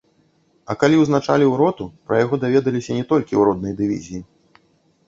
А калі ўзначаліў роту, пра яго даведаліся не толькі ў роднай дывізіі.